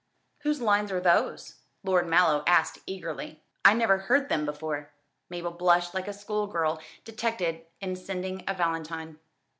"Whose lines are those?" Lord Mallow asked eagerly; "I never heard them before." Mabel blushed like a schoolgirl detected in sending a valentine.